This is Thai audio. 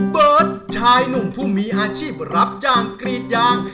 เบิร์ตชายหนุ่มผู้มีอาชีพรับจ้างกรีดยาง